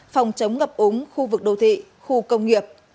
phòng chống ngập úng khu vực đô thị khu công nghiệp